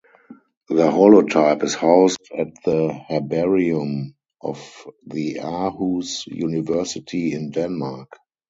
The holotype is housed at the herbarium of the Aarhus University in Denmark.